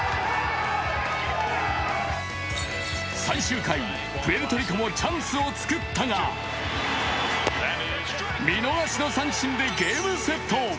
最終回、プエルトリコもチャンスを作ったが見逃しの三振でゲームセット。